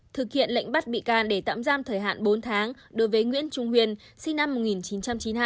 thực hiện lệnh bắt bị can để tạm giam thời hạn bốn tháng đối với nguyễn trung huyền sinh năm một nghìn chín trăm chín mươi hai